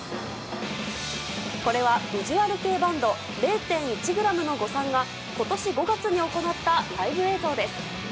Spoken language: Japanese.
これはビジュアル系バンド０．１ｇの誤算が今年５月に行ったライブ映像です。